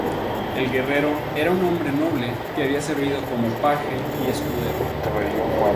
El guerrero era un hombre noble que había servido como paje y escudero.